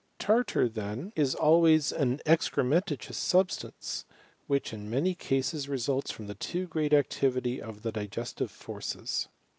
TMtar, then, is always an excrementitious sub stance, which in many cases results from the too great •ctivity of the digestive forces.